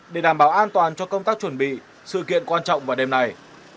để đảm bảo an toàn cho công tác chuẩn bị sự kiện quan trọng vào đêm này